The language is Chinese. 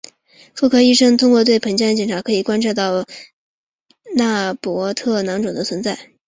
妇科医生通过盆腔检查可以观察到纳博特囊肿的存在。